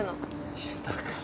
・いやだから。